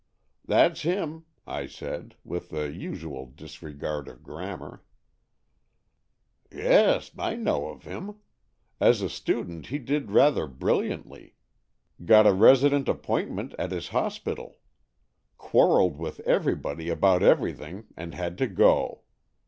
" That's him," I said, with the usual dis regard of grammar. " Yes, I know of him. As a student he did rather brilliantly. Got a resident appointment at his hospital. Quarrelled with everybody about everything, and had to go.